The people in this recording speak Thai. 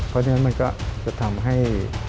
เพราะฉะนั้นมันก็จะทำให้